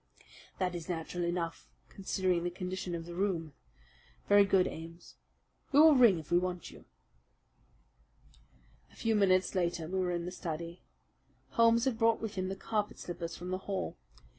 "That is natural enough, considering the condition of the room. Very good, Ames. We will ring if we want you." A few minutes later we were in the study. Holmes had brought with him the carpet slippers from the hall.